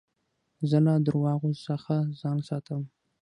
زه له درواغو څخه ځان ساتم.